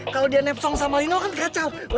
kalau dia nepsong sama lino kan kecap